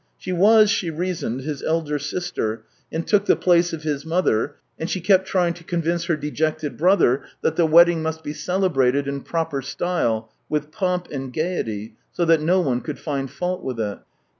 She was, she reasoned, his elder sister, and took the place of his mother; and she kept trying to convince her dejected brother that the wedding must be cele brated in proper style, with pomp and gaiety, so that no one could find fault with it.